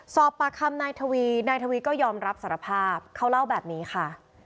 สอบปากคำนายทวีนายทวีก็ยอมรับสารภาพเขาเล่าแบบนี้ค่ะ